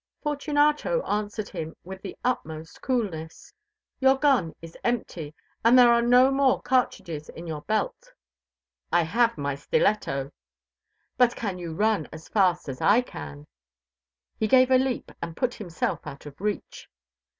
Fortunato answered him with the utmost coolness: "Your gun is empty, and there are no more cartridges in your belt." "I have my stiletto." "But can you run as fast as I can?" He gave a leap and put himself out of reach.